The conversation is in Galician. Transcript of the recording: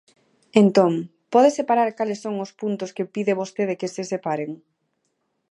Entón, ¿pode separar cales son os puntos que pide vostede que se separen?